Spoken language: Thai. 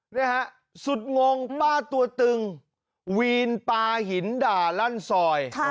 นี่ฮะสุดงงป้าตัวตึงวีนปลาหินด่าลั่นซอย